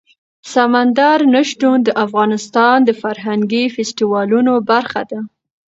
سمندر نه شتون د افغانستان د فرهنګي فستیوالونو برخه ده.